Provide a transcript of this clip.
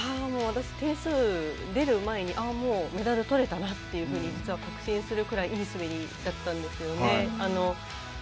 私点数出る前にああ、もうメダル取れたなというふうに実は確信するくらいいい滑りだったんですけどね。